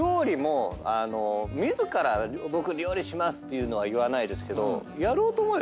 自ら僕料理しますっていうのは言わないですけど。